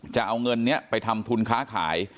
จะเอาเงินนี้ไปทำทุนค้าขาย